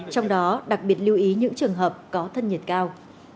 trong đó đặc biệt lưu ý những trường hợp có thân nhiệt cao